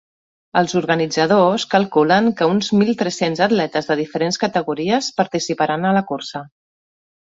Els organitzadors calculen que uns mil tres-cents atletes de diferents categories participaran a la cursa.